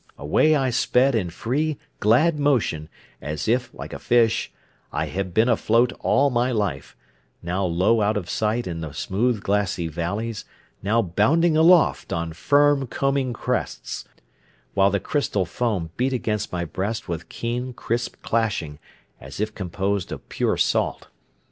Away I sped in free, glad motion, as if, like a fish, I had been afloat all my life, now low out of sight in the smooth, glassy valleys, now bounding aloft on firm combing crests, while the crystal foam beat against my breast with keen, crisp clashing, as if composed of pure salt.